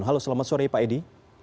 halo selamat sore pak edi